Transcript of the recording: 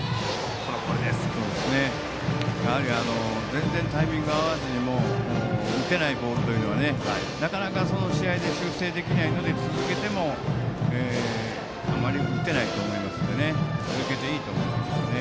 全然タイミングが合わずに打てないボールというのはなかなか、その試合で修正できないので、続けてもあまり打てないと思いますので続けていいと思いますね。